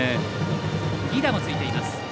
犠打もついています。